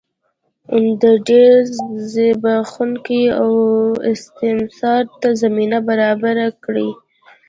د ډېر زبېښاک او استثمار ته زمینه برابره کړي.